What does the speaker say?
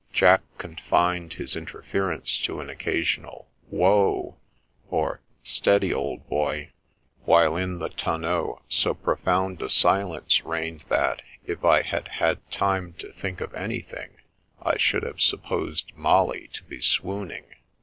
Jack con fined his interference to an occasional " Whoa," or " Steady, old boy"; while in the tonneau so pro found a silence reigned that, if I had had time to think of anything, I should have supposed Molly to be swooning.